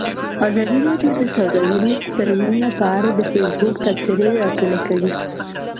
ازادي راډیو د سوداګریز تړونونه په اړه د فیسبوک تبصرې راټولې کړي.